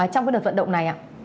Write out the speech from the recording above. trong cái đợt vận động này ạ